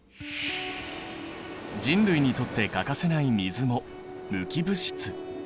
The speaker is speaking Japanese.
人類にとって欠かせない水も無機物質。